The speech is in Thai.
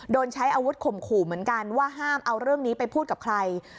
ใช้อาวุธข่มขู่เหมือนกันว่าห้ามเอาเรื่องนี้ไปพูดกับใคร